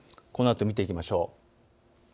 このあと見ていきましょう。